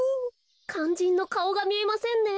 かんじんのかおがみえませんね。